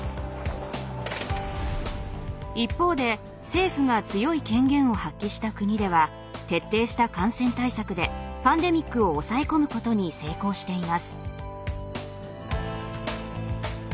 一方で政府が強い権限を発揮した国では徹底した感染対策でパンデミックを抑え込むことに成功しています。